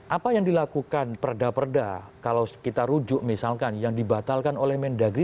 apa yang dilakukan perda perda kalau kita rujuk misalkan yang dibatalkan oleh mendagri